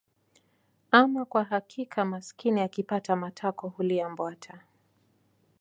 Ama kwa hakika maskini akipata matako hulia mbwata